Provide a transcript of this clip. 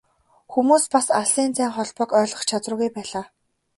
Хүмүүс бас алсын зайн холбоог ойлгох чадваргүй байлаа.